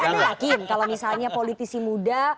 anda yakin kalau misalnya politisi muda